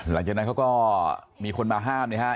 หลังจากนั้นเขาก็มีคนมาห้ามนะครับ